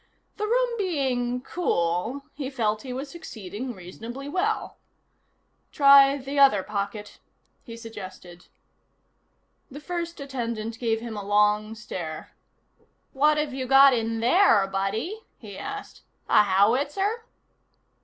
The room being cool, he felt he was succeeding reasonably well. "Try the other pocket," he suggested. The first attendant gave him a long stare. "What've you got in there, buddy?" he asked. "A howitzer?"